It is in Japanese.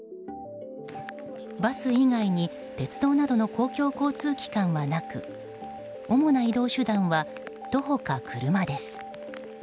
バス以外に鉄道などの公共交通機関はなく主な移動手段は徒歩か車です。